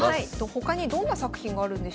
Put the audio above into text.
他にどんな作品があるんでしょうか。